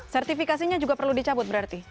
sertifikasinya juga perlu dicabut berarti